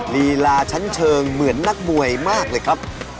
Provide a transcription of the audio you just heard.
ลีลาชั้นเชิงเหมือนนักมวยมากเลยครับ